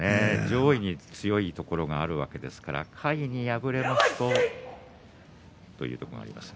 上位に強いところがあるわけですから下位に敗れますとというところがあります。